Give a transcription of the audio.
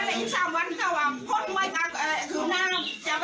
ดีถึงเท่าความใจ